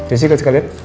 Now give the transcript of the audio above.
ya sikap sekalian